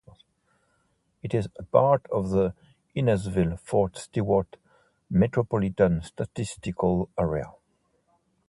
It is a part of the Hinesville-Fort Stewart metropolitan statistical area.